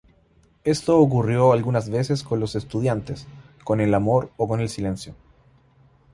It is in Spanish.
Esto ocurrió algunas veces con los Estudiantes, con el Amor o con el Silencio.